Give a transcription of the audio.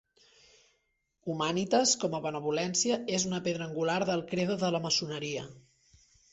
"Humanitas", com a benevolència, és una pedra angular del credo de la maçoneria.